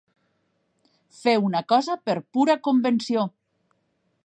Fer una cosa per pura convenció.